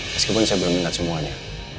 meskipun saya belum melihat semuanya